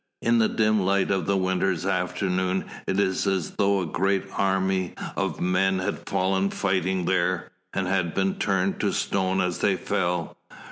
In the dim light of the winter's afternoon it is as though a great army of men had fallen fighting there, and had been turned to stone as they fell.